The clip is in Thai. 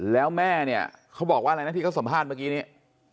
แล้วแม่เนี่ยเขาบอกว่าอะไรนะที่เขาสัมภาษณ์เมื่อกี้นี้